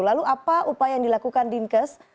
lalu apa upaya yang dilakukan dinkes